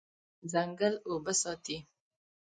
ځنګل اوبه ساتي.